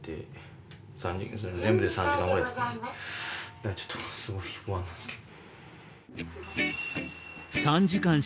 だからちょっとすごい不安なんすけど。